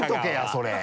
それ。